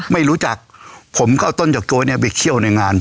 ไม่รู้จักผมก็เอาต้นเฉาก๊วยไปเคี่ยวในงาน